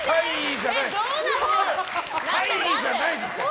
じゃないですから。